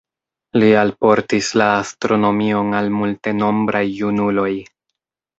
Li alportis la astronomion al multenombraj junuloj.